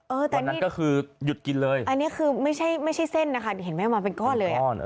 อันนั้นก็คือหยุดกินเลยอันนี้คือไม่ใช่เส้นนะคะเห็นไหมมาเป็นก้อนเลยอ่ะ